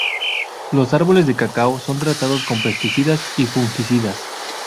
Los árboles de cacao son tratados con pesticidas y fungicidas.